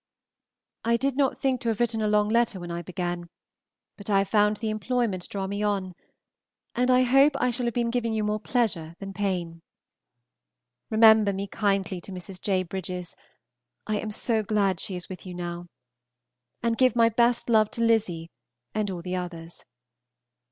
I did not think to have written a long letter when I began, but I have found the employment draw me on, and I hope I shall have been giving you more pleasure than pain. Remember me kindly to Mrs. J. Bridges (I am so glad she is with you now), and give my best love to Lizzie and all the others.